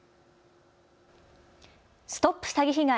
ＳＴＯＰ詐欺被害！